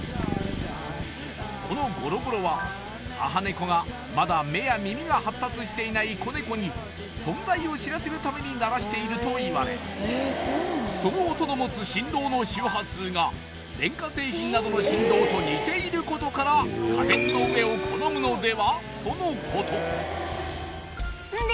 このゴロゴロは母ネコがまだ目や耳が発達していない子ネコに存在を知らせるために鳴らしているといわれその音の持つ振動の周波数が電化製品などの振動と似ていることから家電の上を好むのでは？とのことんで！